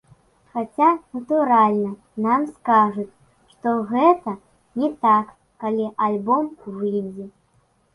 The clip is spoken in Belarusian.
Хаця, натуральна, нам скажуць, што гэта не так, калі альбом выйдзе.